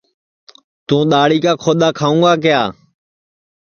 تُوں دؔاݪی کا کھودؔا کھاؤں گا کِیا